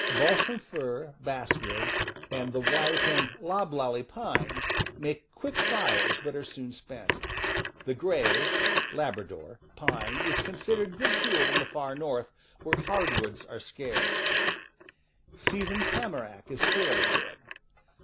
Balsam fir, basswood, and the white and loblolly pines make quick fires but are soon spent. The gray (Labrador) pine is considered good fuel in the far North, where hardwoods are scarce. Seasoned tamarack is fairly good.